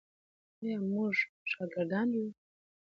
آیا موږ شاکران یو؟